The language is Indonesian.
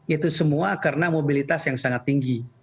itu semua karena mobilitas yang sangat tinggi